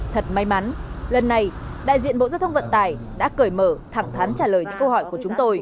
thật may mắn lần này đại diện bộ giao thông vận tải đã cởi mở thẳng thắn trả lời những câu hỏi của chúng tôi